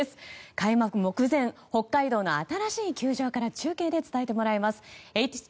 開幕目前北海道の新しい球場から中継で伝えてもらいます。